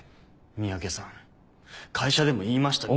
三宅さん会社でも言いましたけど。